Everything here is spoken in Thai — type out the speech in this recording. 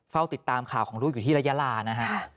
เฝ้าติดตามข่าวของลูกอยู่ที่ระยะลานะฮะ